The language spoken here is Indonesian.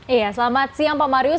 iya selamat siang pak marius